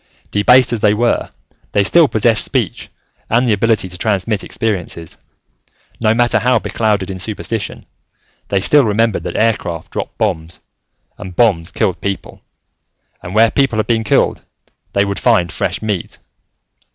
Debased as they were, they still possessed speech and the ability to transmit experiences. No matter how beclouded in superstition, they still remembered that aircraft dropped bombs, and bombs killed people, and where people had been killed, they would find fresh meat.